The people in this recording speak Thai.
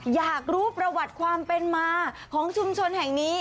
อยากรู้ประวัติความเป็นมาของชุมชนแห่งนี้